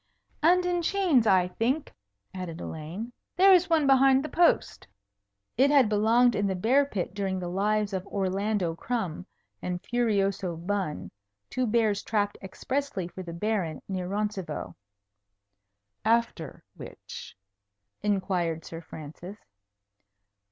"And in chains, I think," added Elaine. "There is one behind the post." It had belonged in the bear pit during the lives of Orlando Crumb and Furioso Bun, two bears trapped expressly for the Baron near Roncevaux. "After which?" inquired Sir Francis.